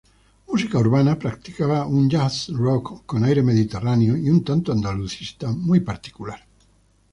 Música Urbana practicaba un jazz-rock, con aire mediterráneo y un tanto andalucista, muy particular.